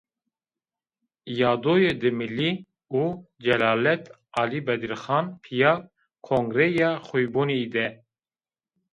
Yadoyê Dimilî û Celadet Alî Bedîrxan pîya kongreya Xoybûnî de.